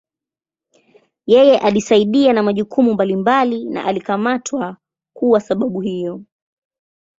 Yeye alisaidia na majukumu mbalimbali na alikamatwa kuwa sababu hiyo.